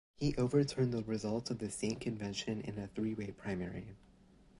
He overturned the results of the state convention in a three way primary.